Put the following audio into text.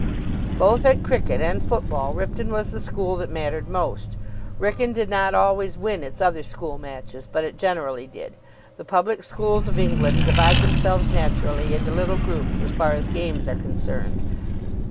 Both at cricket and football Ripton was the school that mattered most. Wrykyn did not always win its other school matches; but it generally did. The public schools of England divide themselves naturally into little groups, as far as games are concerned.